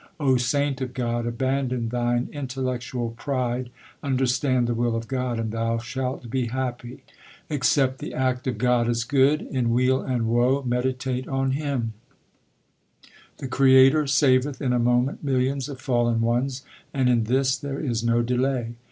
O saint of God, abandon thine intellectual pride, under stand the will of God, and thou shalt be happy. Accept the act of God as good : in weal and woe meditate on Him. LIFE OF GURU ARJAN 29 The Creator saveth in a moment millions of fallen ones, and in this there is no delay.